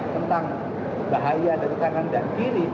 tentang bahaya dari kanan dan kiri